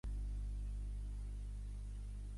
Els de Masdenverge, els del globus.